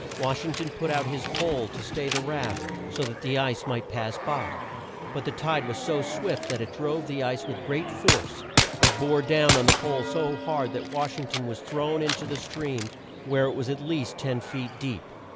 Wash ing ton put out his pole to stay the raft so that the ice might pass by; but the tide was so swift that it drove the ice with great force. It bore down on the pole so hard that Wash ing ton was thrown in to the stream where it was at least ten feet deep.